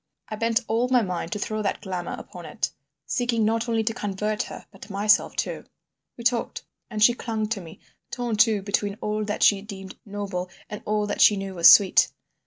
I bent all my mind to throw that glamour upon it, seeking not only to convert her but myself to that. We talked, and she clung to me, torn too between all that she deemed noble and all that she knew was sweet.